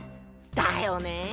だよねぇ。